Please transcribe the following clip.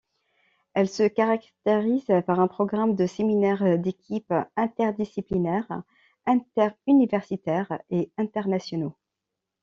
Elle se caractérise par un programme de séminaires d'équipes, interdisciplinaires, interuniversitaires et internationaux.